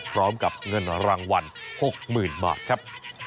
พร้อมกับเงินรางวัลหกหมื่นบาทครับ